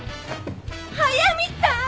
速見さん！